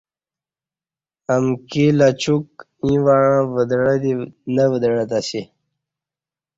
امکی لاچوک ییں وعں ودعہ دی نہ ودعہ تسی